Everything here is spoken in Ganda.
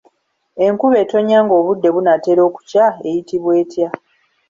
Enkuba etonnya ng'obudde bunaatera okukya eyitibwa etya?